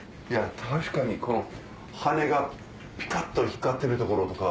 確かにこの羽がピカっと光ってるところとか。